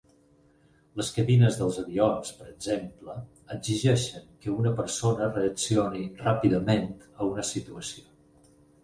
Les cabines dels avions, per exemple, exigeixen que una persona reaccioni ràpidament a una situació.